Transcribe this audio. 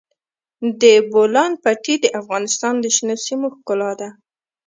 د بولان پټي د افغانستان د شنو سیمو ښکلا ده.